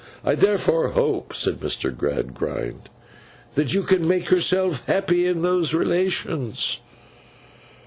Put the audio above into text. I therefore hope,' said Mr. Gradgrind, 'that you can make yourself happy in those relations.